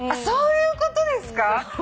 そういうことですか？